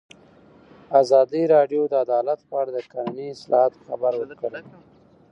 ازادي راډیو د عدالت په اړه د قانوني اصلاحاتو خبر ورکړی.